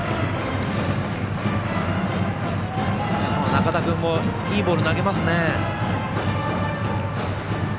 中田君もいいボール投げますね。